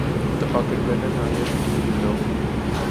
Տպագրվել է նաև իվրիտով։